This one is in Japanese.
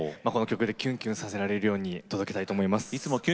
キュンキュンさせるように届けたいと思います。